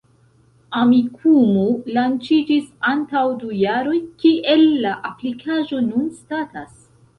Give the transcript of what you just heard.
Amikumu lanĉiĝis antaŭ du jaroj, kiel la aplikaĵo nun statas?